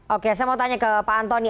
oke saya mau tanya ke pak antoni